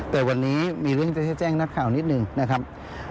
แต่วันนี้มีเรื่องจะให้แจ้งนักข่าวนิดหนึ่งนะครับ